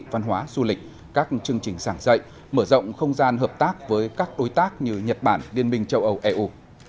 văn hóa du lịch các chương trình sảng dạy mở rộng không gian hợp tác với các đối tác như nhật bản liên minh châu âu eu